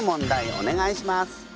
お願いします。